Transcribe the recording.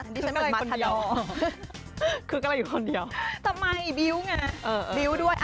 ดิฉันเหมือนมาทาดอร์คือกละอยู่คนเดียวทำไมบิ๊วไงบิ๊วด้วย